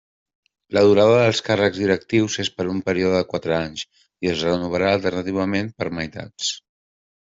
La durada dels càrrecs directius és per un període de quatre anys, i es renovarà alternativament per meitats.